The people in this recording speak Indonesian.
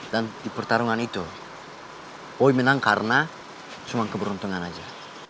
dan di pertarungan itu boy menang karena cuma keberuntungan aja